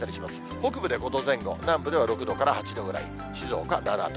北部で５度前後、南部では６度から８度くらい、静岡７度。